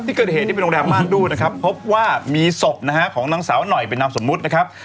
ที่เกิดเหตุที่เป็นโรงแรมม่านรูดนะครับพบว่ามีศพนะฮะของนางสาวหน่อยเป็นนามสมมุตินะครับ